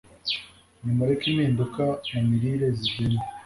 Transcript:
Nimureke Impinduka mu Mirire Zigende